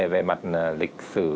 về mặt lịch sử